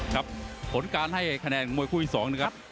ครับผลการให้คะแนนของมวยคู่ที่๒นะครับ